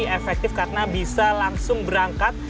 efektif karena bisa langsung berangkat